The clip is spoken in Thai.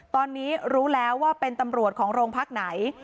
ตอนนี้รู้แล้วว่าเป็นตำรวจของโรงพักไหน